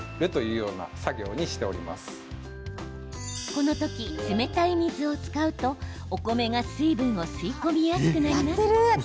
この時、冷たい水を使うとお米が水分を吸い込みやすくなります。